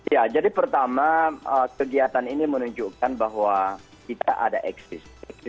ya jadi pertama kegiatan ini menunjukkan bahwa kita ada eksis